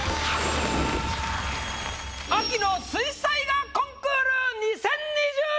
秋の水彩画コンクール２０２２！